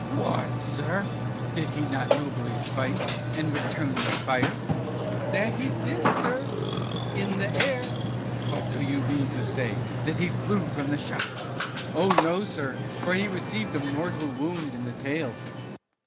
T. What sir! did he not nobly fight, and return the fire? P. That he did, sir, in the air. T. But do you mean to say that he flew from the shot? P. Oh no, sir, for he received a mortal wound in the tail.